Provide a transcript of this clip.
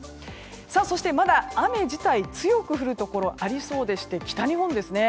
そして、まだ雨自体強く降るところがありそうでして北日本ですね。